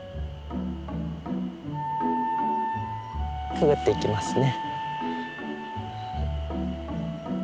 くぐっていきますね。